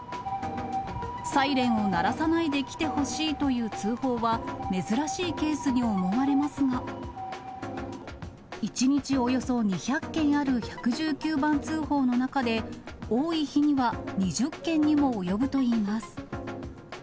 サイレンを鳴らさないで来てほしいという通報は、珍しいケースに思われますが、１日およそ２００件ある１１９番通報の中で、多い日には、２０件にも及ぶといいます。